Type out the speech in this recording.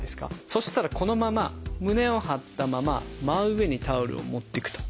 そしたらこのまま胸を張ったまま真上にタオルを持っていくと。